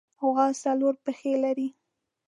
غوا څلور پښې لري.